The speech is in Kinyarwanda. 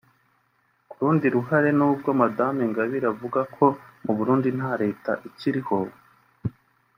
Ku rundi ruhare nubwo Madamu Ingabire avuga ko mu Burundi nta Leta ikiriho